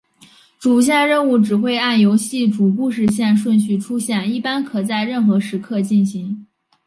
主线任务只会按游戏主故事线顺序出现一般可在任何时刻进行。